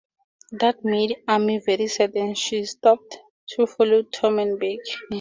That made Amy very sad and she stopped to follow Tom and Becky.